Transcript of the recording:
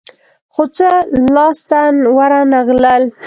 خو څه لاس ته ورنه غلل.